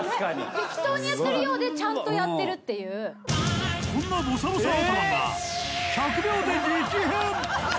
適当にやってるようでちゃんとやってるっていうこんなボサボサ頭が１００秒で激変